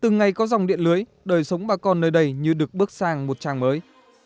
ngày có dòng điện lưới đời sống bà con nơi đây như được bước sang một trang mới